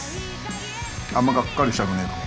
あんまガッカリしたくねえかも。